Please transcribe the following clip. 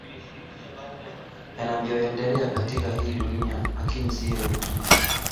yanavyoendelea katika hii dunia lakini si yeye tu